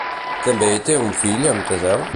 També hi té un fill amb Teseu?